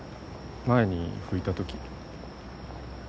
前に吹いた時。